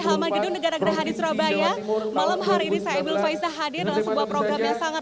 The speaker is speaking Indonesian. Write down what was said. halmai gedung negara negara di surabaya malam hari ini saya hadir dengan program yang sangat